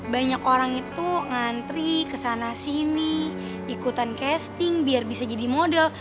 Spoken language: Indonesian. banyak orang itu ngantri kesana sini ikutan casting biar bisa jadi model